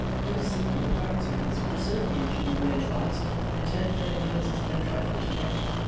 Those singular parents of his would certainly have given way at last ; and ten fair years is no trifle to gain."